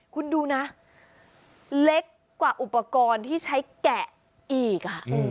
คุณดูนะเล็กกว่าอุปกรณ์ที่ใช้แกะอีก